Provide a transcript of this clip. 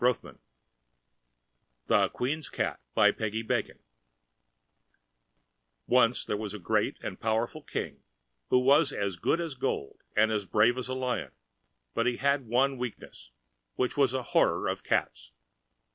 [Pg 220] THE QUEEN'S CAT Once there was a great and powerful King who was as good as gold and as brave as a lion, but he had one weakness, which was a horror of cats.